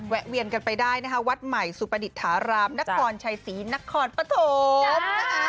แวนกันไปได้นะคะวัดใหม่สุประดิษฐารามนครชัยศรีนครปฐมนะคะ